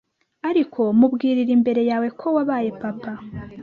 ariko mubwirire imbere yawe ko wabaye Papa